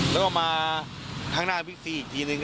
แล้วก็มาทางหน้าบิ๊กซีอีกทีหนึ่ง